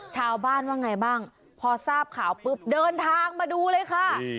ชาวบ้านว่าไงบ้างพอทราบข่าวปุ๊บเดินทางมาดูเลยค่ะ